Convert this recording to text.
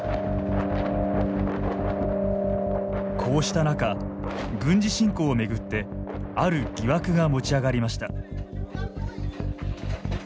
こうした中、軍事侵攻を巡ってある疑惑が持ち上がりました。